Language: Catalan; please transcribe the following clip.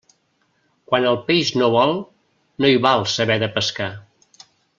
Quan el peix no vol, no hi val saber de pescar.